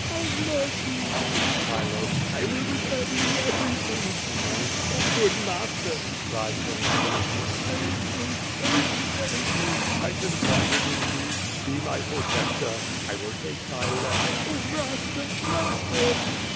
"Have mercy!" shrieked Chilo. "1 will return thee every thing," he moaned. Oh, good master," he cried, turning to Vinitius, "save me! Oh, save me! I confided in thee. Be my protector. I will take thy letter — O, master! master!"